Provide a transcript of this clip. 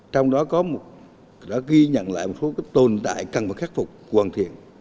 trong đó có một đã ghi nhận lại một số tồn tại căn phòng khắc phục hoàn thiện